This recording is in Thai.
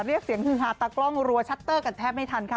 เรียกเสียงฮือฮาตากล้องรัวชัตเตอร์กันแทบไม่ทันค่ะ